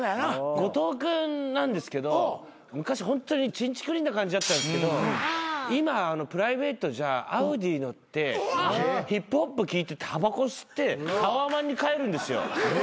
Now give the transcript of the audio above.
後藤君なんですけど昔ホントにちんちくりんな感じだったんですけど今プライベートじゃＡｕｄｉ乗ってヒップホップ聴いてたばこ吸ってタワマンに帰るんですよ。